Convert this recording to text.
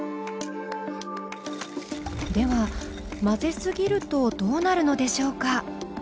では混ぜすぎるとどうなるのでしょうか？